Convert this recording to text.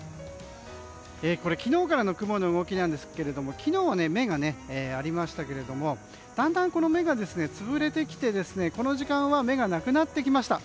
昨日からの雲の動きですが昨日は目がありましたけれどもだんだん目がつぶれてきてこの時間は目がなくなってきました。